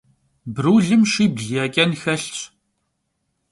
Brulım şşibl ya ç'en xelhş.